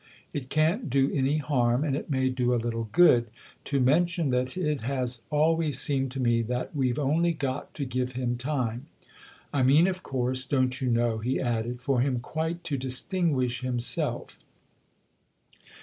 It can't do 170 THE OTHER MOUSE any harm, and it may do a little good, to mention that it has always seemed to me that we've only got to give him time. I mean, of course, don't you know," he added, " for him quite to distinguish him self."